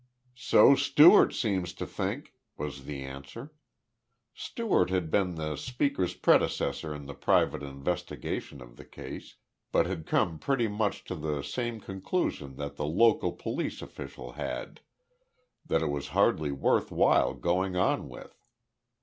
"So Stewart seemed to think," was the answer. Stewart had been the speaker's predecessor in the private investigation of the case, but had come pretty much to the same conclusion that the local police official had, that it was hardly worth while going on with.